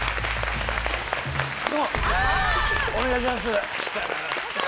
お願いします。